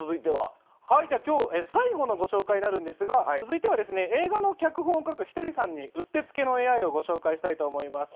今日最後のご紹介になりますが続いては、映画の脚本を書くひとりさんにうってつけのＡＩをご紹介したいと思います。